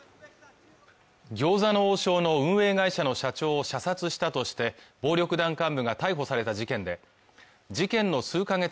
餃子の王将の運営会社の社長射殺したとして暴力団幹部が逮捕された事件で事件の数か月